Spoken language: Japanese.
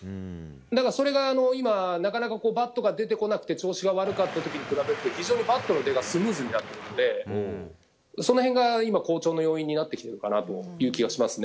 だから、それが今なかなかバットが出てこなくて調子が悪かった時に比べて非常にバットの出がスムーズになっているのでその辺が、今、好調の要因になっているかと思いますね。